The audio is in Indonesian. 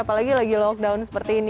apalagi lagi lockdown seperti ini